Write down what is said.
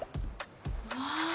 うわ